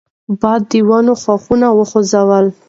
باد د ونې ښاخونه وخوځول.